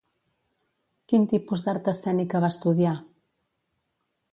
Quin tipus d'art escènica va estudiar?